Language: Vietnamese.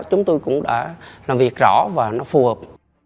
chúng tôi cũng đã làm việc rõ và nó phù hợp